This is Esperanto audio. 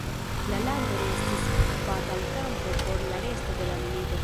La lando restis batalkampo por la resto de la milito.